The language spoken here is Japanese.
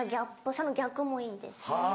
その逆もいいです。